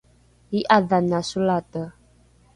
i’adhana solate